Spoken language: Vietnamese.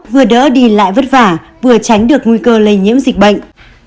vừa đỡ đi lại vất vả vừa tránh được nguy cơ lây nhiễm dịch bệnh